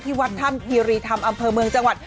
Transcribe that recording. วัดถ้ำคีรีธรรมอำเภอเมืองจังหวัด